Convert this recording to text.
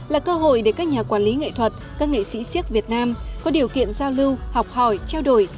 là cơ hội để các nhà quản lý nghệ thuật các nghệ sĩ siếc việt nam có điều kiện giao lưu học hỏi trao đổi